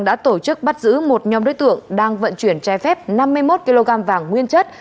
đã tổ chức bắt giữ một nhóm đối tượng đang vận chuyển trái phép năm mươi một kg vàng nguyên chất